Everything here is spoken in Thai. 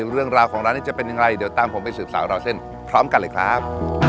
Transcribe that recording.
เรื่องราวของร้านนี้จะเป็นอย่างไรเดี๋ยวตามผมไปสืบสาวราวเส้นพร้อมกันเลยครับ